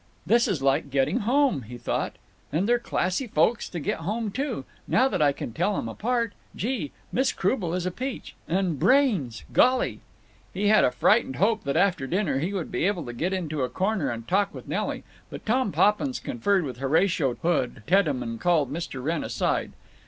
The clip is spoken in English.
"This is like getting home," he thought. "And they're classy folks to get home to—now that I can tell 'em apart. Gee! Miss Croubel is a peach. And brains—golly!" He had a frightened hope that after dinner he would be able to get into a corner and talk with Nelly, but Tom Poppins conferred with Horatio Hood Teddenm and called Mr. Wrenn aside.